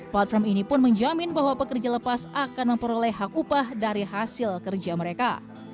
platform ini pun menjamin bahwa pekerja lepas akan memperoleh hak upah dari hasil kerja mereka